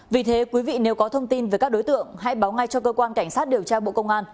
vì thế quý vị nếu có thông tin về các đối tượng hãy báo ngay cho cơ quan cảnh sát điều tra bộ công an